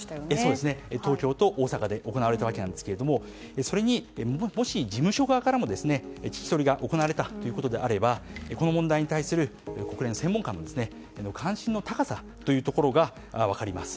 東京と大阪で行われたわけですがもし事務所側からも聞き取りが行われたということであればこの問題に対する国連専門家の関心の高さが分かります。